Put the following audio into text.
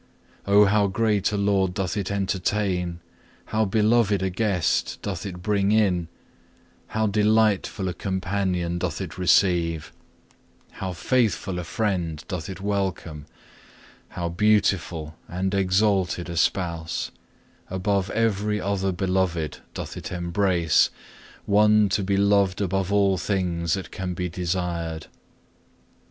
Oh how great a Lord doth it entertain, how beloved a Guest doth it bring in, how delightful a Companion doth it receive, how faithful a Friend doth it welcome, how beautiful and exalted a Spouse, above every other Beloved, doth it embrace, One to be loved above all things that can be desired!